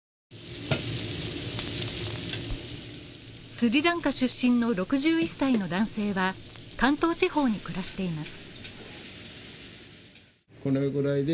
スリランカ出身の６１歳の男性は関東地方に暮らしています。